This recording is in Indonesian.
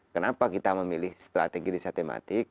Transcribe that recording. kenapa kita memilih strategi desa tematik